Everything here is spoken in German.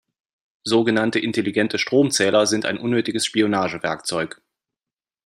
Sogenannte intelligente Stromzähler sind ein unnötiges Spionagewerkzeug.